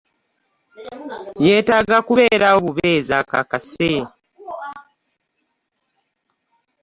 Yeetaaga kubeerawo bubeezi akakasa.